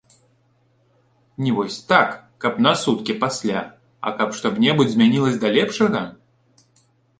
Не вось так, каб на суткі пасля, а каб што-небудзь змянілася да лепшага?